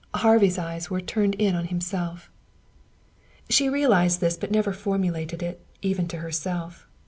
Harvey's eyes were turned in on himself. She realized this, but she never formulated it, even to herself.